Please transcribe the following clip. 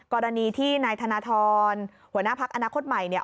กรณีที่นายธนทรหัวหน้าพักอนาคตใหม่เนี่ย